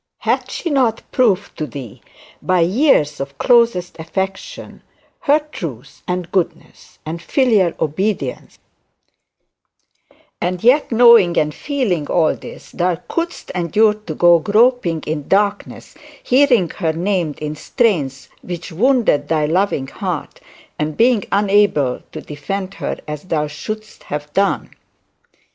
Had she not proved to thee, by years of closest affection, her truth and goodness and filial obedience? And yet, groping in darkness, hearing her name in strains which wounded thy loving heart, and being unable to defend her as thou shouldst have done!